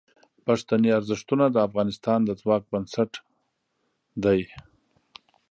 پښتني ارزښتونه د افغانستان د ځواک بنسټ دي.